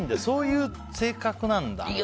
そういう性格なんだ。